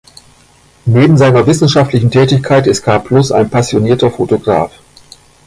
Neben seiner wissenschaftlichen Tätigkeit ist Karplus ein passionierter Fotograf.